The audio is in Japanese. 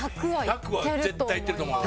１００は絶対いってると思う俺。